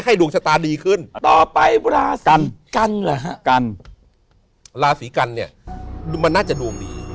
ดวงชะตาดีขึ้นต่อไปราศีกันเหรอฮะกันราศีกันเนี่ยมันน่าจะดวงดี